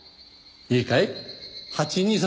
いいかい？